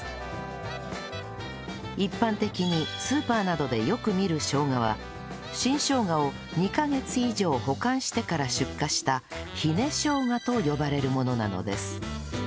一般的にスーパーなどでよく見る生姜は新生姜を２カ月以上保管してから出荷したひね生姜と呼ばれるものなのです